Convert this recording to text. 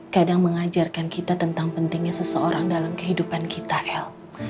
kadang mengajarkan kita tentang pentingnya seseorang dalam kehidupan kita el